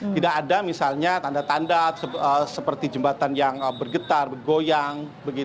tidak ada misalnya tanda tanda seperti jembatan yang bergetar bergoyang